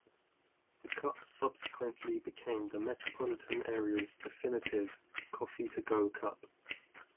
The cup subsequently became the metropolitan area's definitive coffee-to-go cup.